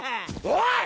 おい！